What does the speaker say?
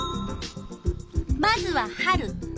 まずは春。